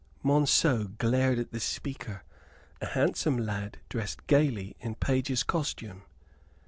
Monceux glared at the speaker, a handsome lad dressed gaily in page's costume.